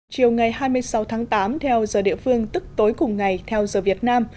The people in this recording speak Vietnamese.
chiều ngày hai mươi sáu tháng tám theo giờ địa phương tức tối cùng ngày theo giờ việt nam